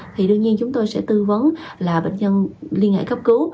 thì đương nhiên chúng tôi sẽ tư vấn là bệnh nhân liên hệ cấp cứu